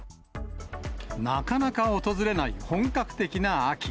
なかなか訪れない本格的な秋。